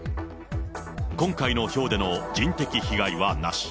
今回のひょうでの人的被害はなし。